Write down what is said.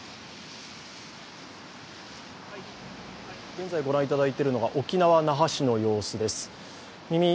現在、ご覧いただいているのが沖縄・那覇市の様子です。